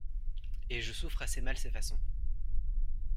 Et je souffre assez mal ces façons!